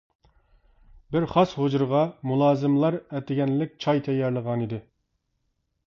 بىر خاس ھۇجرىغا مۇلازىملار ئەتىگەنلىك چاي تەييارلىغانىدى.